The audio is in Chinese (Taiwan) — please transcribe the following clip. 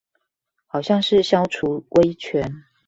好像是消除威權